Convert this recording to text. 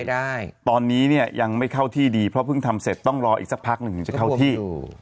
ได้ตอนนี้เนี่ยยังไม่เข้าที่ดีเพราะเพิ่งทำเสร็จต้องรออีกสักพักหนึ่งถึงจะเข้าที่